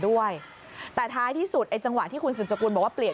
ด้วยความเคารพนะคุณผู้ชมในโลกโซเชียล